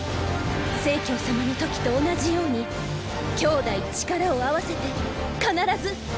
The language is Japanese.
成様の時と同じように兄妹力を合わせて必ず！